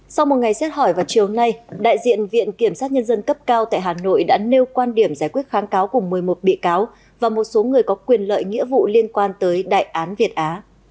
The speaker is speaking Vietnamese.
sau một ngày xét hỏi vào chiều nay đại diện viện kiểm sát nhân dân cấp cao tại hà nội đã nêu quan điểm giải quyết kháng cáo của một mươi một bị cáo và một số người có quyền lợi nghĩa vụ liên quan tới đại án việt á